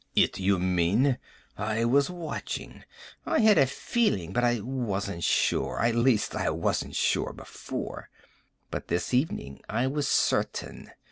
It, you mean. I was watching. I had a feeling, but I wasn't sure. At least, I wasn't sure before. But this evening I was certain."